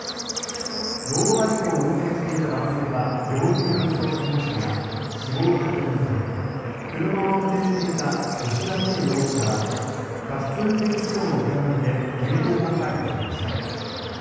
ロードバイクを運転していた男性は病院に搬送されましたが死亡が確認され車を運転していた吉田渓容疑者は過失運転致傷の疑いで現行犯逮捕されました。